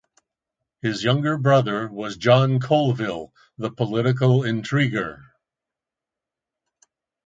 His younger brother was John Colville the political intriguer.